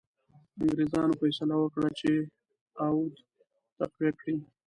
انګرېزانو فیصله وکړه چې اود تقویه کړي.